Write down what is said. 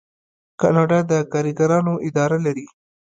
کاناډا د کارګرانو اداره لري.